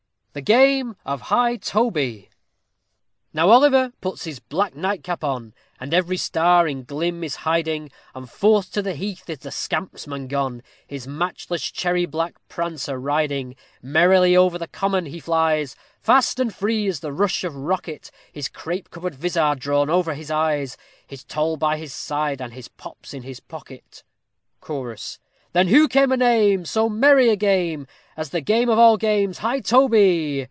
THE GAME OF HIGH TOBY Now Oliver puts his black nightcap on, And every star its glim is hiding, And forth to the heath is the scampsman gone, His matchless cherry black prancer riding; Merrily over the common he flies, Fast and free as the rush of rocket, His crape covered vizard drawn over his eyes, His tol by his side, and his pops in his pocket. CHORUS _Then who can name So merry a game, As the game of all games high toby?